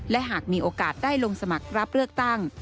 และหากมีโอกาสได้ลงสมัครรับเลือกตั้ง